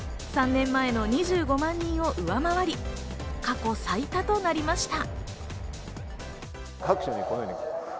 ３年前の２５万人を上回り、過去最多となりました。